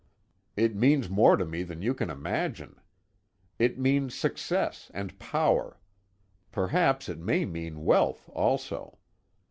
It means more to me than you can imagine. It means success and power. Perhaps it may mean wealth, also.